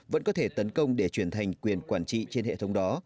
vẫn có thể tấn công để chuyển thành quyền quản trị trên hệ thống đó